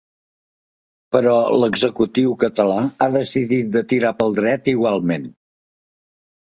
Però l’executiu català ha decidit de tirar pel dret igualment.